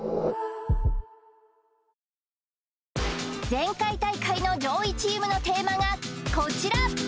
前回大会の上位チームのテーマがこちら